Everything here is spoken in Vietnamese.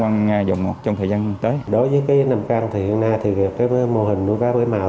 quăng dòng một trong thời gian tới đối với cái nằm can thì hiện nay thì cái mô hình nuôi cá bể màu